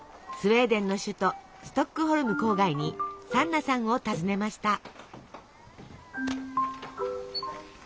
スウェーデンの首都ストックホルム郊外にサンナさんを訪ねました。